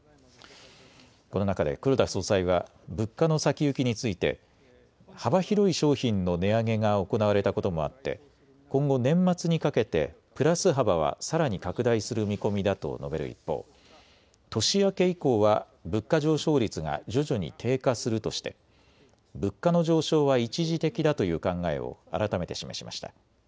この中で黒田総裁は物価の先行きについて幅広い商品の値上げが行われたこともあって今後、年末にかけてプラス幅はさらに拡大する見込みだと述べる一方、年明け以降は物価上昇率が徐々に低下するとして物価の上昇は一時的だという考えを改めて示しました。